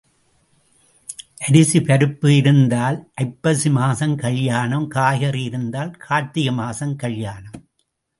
அரிசி பருப்பு இருந்தால் ஐப்பசி மாசம் கல்யாணம் காய்கறி இருந்தால் கார்த்திகை மாசம் கல்யாணம்.